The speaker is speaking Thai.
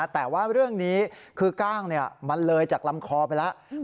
แต่ว่าเรื่องนี้คือกล้างมันเลยจากลำคอไปแล้ว